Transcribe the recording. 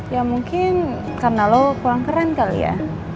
ya mungkin karena lo kurang keren kali ya